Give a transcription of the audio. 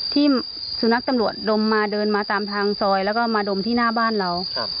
ที่สุนัขตำรวจดมมาเดินมาตามทางซอยแล้วก็มาดมที่หน้าบ้านเรา